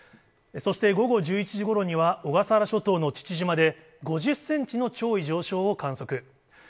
そして午後１１時ごろには、小笠原諸島の父島で、５０センチの潮位上昇を観測。